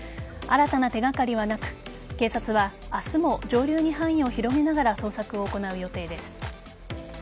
新たな手がかりはなく警察は明日も上流に範囲を広げながら捜索を行う予定です。